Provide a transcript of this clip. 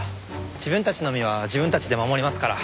自分たちの身は自分たちで守りますから。